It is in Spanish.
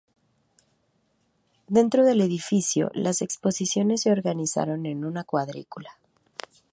Dentro del edificio, las exposiciones se organizaron en una cuadrícula.